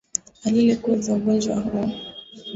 Dalili kuu za ugonjwa huu